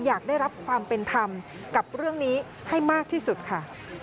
อยากได้รับความเป็นธรรมกับเรื่องนี้ให้มากที่สุดค่ะ